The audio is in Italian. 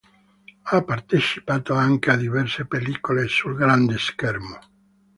Ha partecipato anche a diverse pellicole sul grande schermo.